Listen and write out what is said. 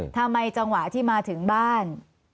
ทำไมจังหวะที่มาถึงบ้าน